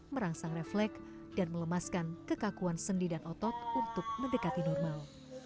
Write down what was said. merangsang refleks dan melemaskan kekakuan sendi dan otot untuk mendekati normal